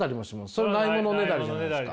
それ無いものねだりじゃないですか。